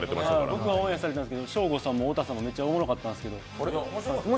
僕はオンエアされてたんですけどショーゴさんも太田さんも面白かったんですけど。